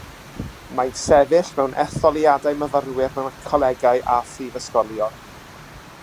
Mae'n sefyll mewn etholiadau myfyrwyr mewn colegau a phrifysgolion.